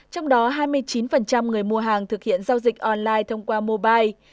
trong đó hai mươi chín người mua hàng thực hiện giao dịch online thông qua mobile